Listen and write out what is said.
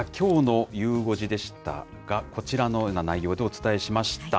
きょうのゆう５時でしたが、こちらのような内容でお伝えしました。